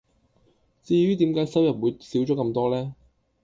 至於點解收入會少咗咁多呢?